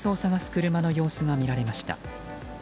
車の様子が見られました。